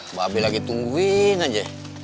mba be lagi tungguin aja